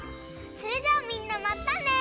それじゃあみんなまたね！